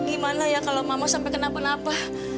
gimana ya kalau mama sampai kenapa napa